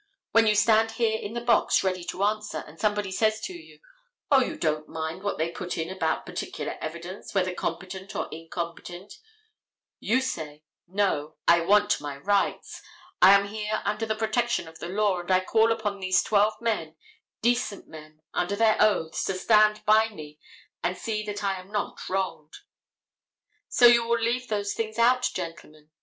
When you stand there in the box ready to answer, and somebody says to you, "O, don't mind what they put in about particular evidence, whether competent or incompetent," you say, "No, I want my rights. I am here under the protection of the law, and I call upon these twelve men, decent men, under their oaths, to stand by me and see that I am not wronged." So you will leave those things out, gentlemen.